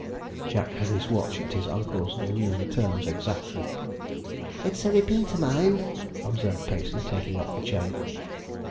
(Jack had his watch at his uncle's and knew the terms exactly.) 'It's a repeater, mind,' observed Pacey, taking off the chain.